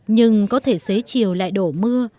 nhưng có thể xế chiều lại đổ mưa